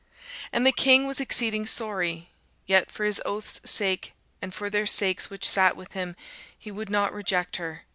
And the king was exceeding sorry; yet for his oath's sake, and for their sakes which sat with him, he would not reject her.